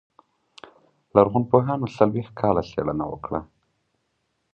لرغونپوهانو څلوېښت کاله څېړنه وکړه.